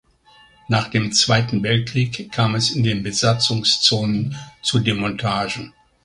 Nach dem Zweiten Weltkrieg kam es in den Besatzungszonen zu Demontagen.